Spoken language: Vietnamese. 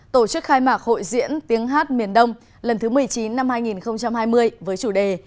tổ chức khai mạc hội diễn tiếng hát miền đông lần thứ một mươi chín năm hai nghìn hai mươi với chủ đề